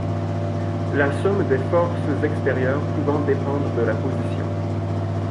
la somme des forces extérieures pouvant dépendre de la position